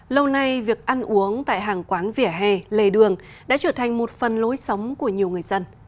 lâu nay việc ăn uống tại hàng quán vỉa hè lề đường đã trở thành một phần lối sống của nhiều người dân